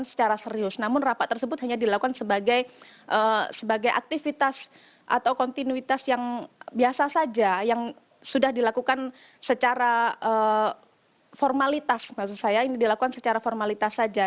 secara serius namun rapat tersebut hanya dilakukan sebagai aktivitas atau kontinuitas yang biasa saja yang sudah dilakukan secara formalitas maksud saya ini dilakukan secara formalitas saja